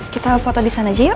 kita foto di sana aja yuk